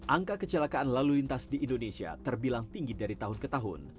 angka kecelakaan lalu lintas di indonesia terbilang tinggi dari tahun ke tahun